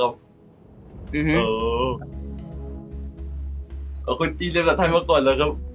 ครับอ๋อเขาคนจีนเรียนภาษาไทยมาก่อนแล้วครับ